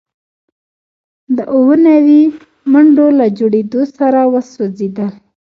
د اووه نوي منډو له جوړیدو سره وسوځیدل